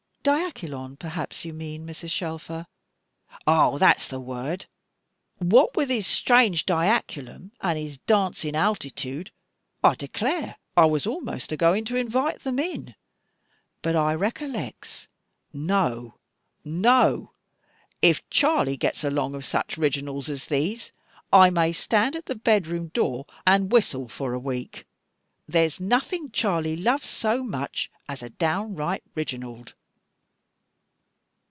"Diachylon, perhaps you mean, Mrs. Shelfer?" "Ah, that's the word. What with his strange diaculum, and his dancing altitude, I declare I was a most a going to invite them in: but I recollects, no, no: If Charley gets along of such Reginalds as these, I may stand at the bed room door and whistle for a week. There's nothing Charley loves so much as a downright Reginald."